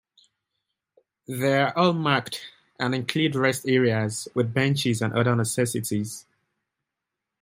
They are all marked and include rest areas with benches and other necessities.